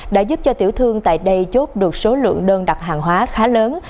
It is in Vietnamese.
đã giúp cho tiểu thương tại đây chốt được số lượng đơn đặt hàng hóa khá lớn